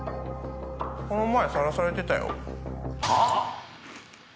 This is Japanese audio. この前さらされてたよはあ？